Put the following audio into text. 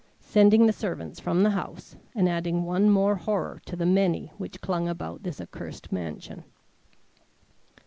sending the servants from the house, and adding one more horror to the many which clung about this accursed mansion.